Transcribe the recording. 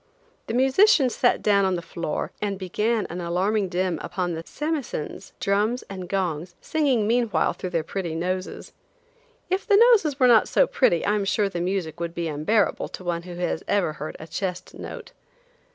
The musicians sat down on the floor and began an alarming din upon samisens, drums and gongs, singing meanwhile through their pretty noses. If the noses were not so pretty I am sure the music would be unbearable to one who has ever heard a chest note.